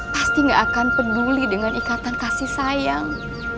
pasti gak akan peduli dengan ikatan kasih sayang